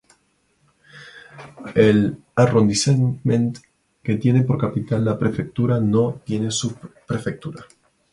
El arrondissement que tiene por capital la prefectura no tiene subprefectura.